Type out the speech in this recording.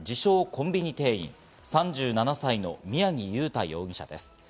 コンビニ店員、３７歳の宮城祐太容疑者です。